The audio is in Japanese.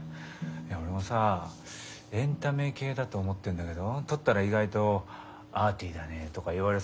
俺もさエンタメ系だと思ってんだけど撮ったら意外とアーティーだねとか言われそうな気がしてさ。